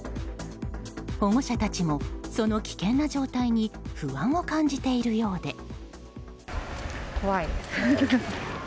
保護者達もその危険な状態に不安を感じているようで。